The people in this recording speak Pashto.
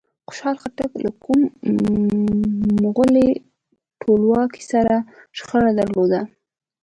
خوشحال خټک له کوم مغولي ټولواک سره شخړه درلوده؟